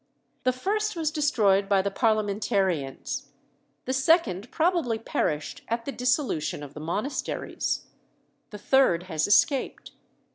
The first was destroyed by the Parliamentarians; the second probably perished at the dissolution of the monasteries; the third has escaped.